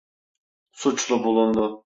Suçlu bulundu.